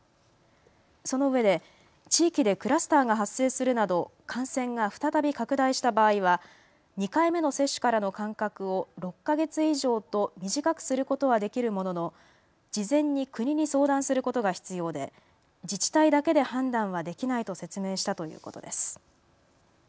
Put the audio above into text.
そのうえで地域でクラスターが発生するなど感染が再び拡大した場合は２回目の接種からの間隔を６か月以上と短くすることはできるものの事前に国に相談することが必要で自治体だけで判断はできないと説明したということです。